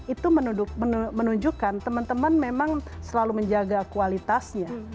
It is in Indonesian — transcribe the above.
itu menunjukkan teman teman memang selalu menjaga kualitasnya